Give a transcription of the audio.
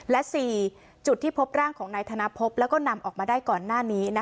และ๔จุดที่พบร่างของนายธนพบแล้วก็นำออกมาได้ก่อนหน้านี้